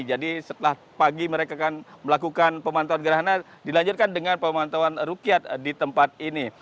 jadi setelah pagi mereka akan melakukan pemantauan gerhana dilanjutkan dengan pemantauan rukyat di tempat ini